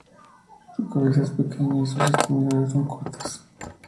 Su cabeza es pequeña y sus extremidades son cortas.